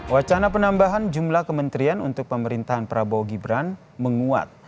wacana penambahan jumlah kementerian untuk pemerintahan prabowo gibran menguat